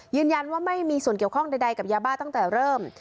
ยืนยันว่าไม่มีส่วนเกี่ยวข้องใดกับยาบ้าตั้งแต่เริ่ม